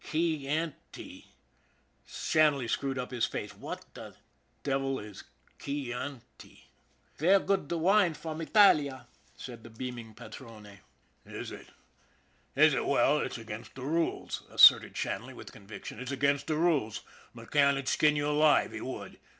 " Key aunty." Shanley screwed up his face. "What the devil is key aunty?" " Ver' good wine from Italia," said the beaming padrone. SHANLEY'S LUCK 113' " It is, is it? Well, it's against the rules," asserted Shanley with conviction. ." It's against the rules. McCann 'u'd skin you alive. He would.